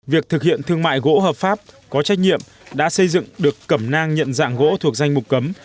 việc thực hiện thương mại gỗ hợp pháp có trách nhiệm đã xây dựng được cẩm nang nhận dạng gỗ thuộc danh mục cấm